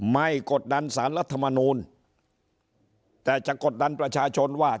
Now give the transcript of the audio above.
กดดันสารรัฐมนูลแต่จะกดดันประชาชนว่า